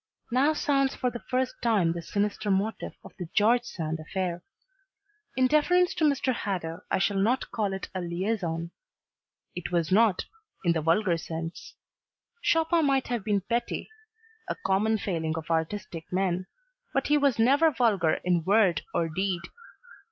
Now sounds for the first time the sinister motif of the George Sand affair. In deference to Mr. Hadow I shall not call it a liaison. It was not, in the vulgar sense. Chopin might have been petty a common failing of artistic men but he was never vulgar in word or deed.